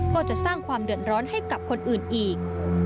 ก็จะสร้างความเดือดร้อนให้กับคนอื่นอีก